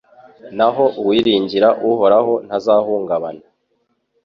naho uwiringira Uhoraho ntazahungabana